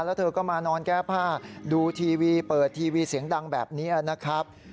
แล้วเธอก็มานอนแก้ผ้าดูทีวีเปิดทีวีเสียงดังแบบนี้นะครับ